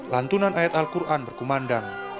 lantunan ayat al quran berkumandang